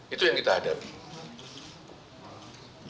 itu yang kita hadapi